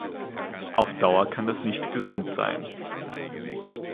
Auf Dauer kann das nicht gesund sein.